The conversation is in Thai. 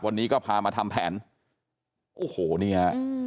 วันนี้ก็พามาทำแผนโอ้โหนี่ฮะ